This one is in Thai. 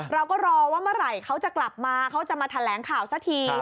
เราก็รอว่าเมื่อไหร่เขาจะกลับมาเขาจะมาแถลงข่าวสักที